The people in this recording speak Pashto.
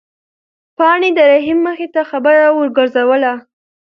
پاڼې د رحیم مخې ته خبره ورګرځوله.